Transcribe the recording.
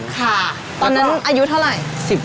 ค่ะตอนนั้นอายุเท่าไหร่